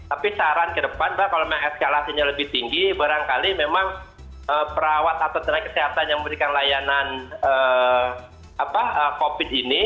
tapi saran ke depan pak kalau memang eskalasinya lebih tinggi barangkali memang perawat atau tenaga kesehatan yang memberikan layanan covid ini